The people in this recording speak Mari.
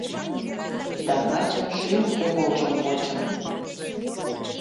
Да качын шӱм-кумылжым почын